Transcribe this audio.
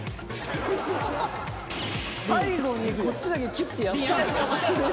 最後にこっちだけキュッてやったんすよ。